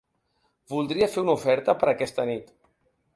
Voldria fer una oferta per aquesta nit.